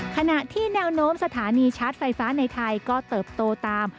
ขณะที่แนวโน้มสถานีชาร์จไฟฟ้าในไทยก็เติบโตตาม